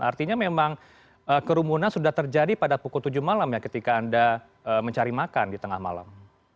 artinya memang kerumunan sudah terjadi pada pukul tujuh malam ya ketika anda mencari makan di tengah malam